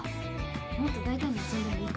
もっと大胆に遊んでもいいかも。